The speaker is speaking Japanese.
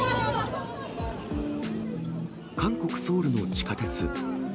韓国・ソウルの地下鉄。